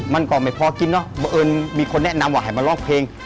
มันก็ไม่พอกินเนอะบังเอิญมีคนแนะนำว่าให้มาร้องเพลง